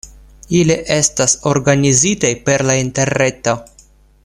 Ili estas organizitaj per la interreto.